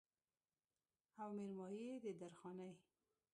او مېرمايي يې د درخانۍ